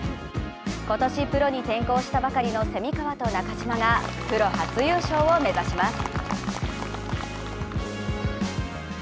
今年、プロに転向したばかりの蝉川と中島がプロ初優勝を目指します。